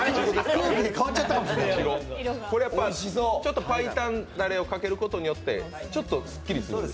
ちょっと白湯ダレをかけることによってちょっとすっきりするんですか？